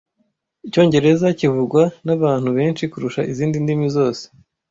Icyongereza kivugwa nabantu benshi kurusha izindi ndimi zose.